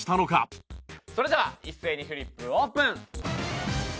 それでは一斉にフリップオープン！